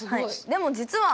でも実は